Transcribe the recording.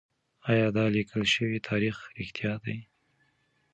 ايا دا ليکل شوی تاريخ رښتيا دی؟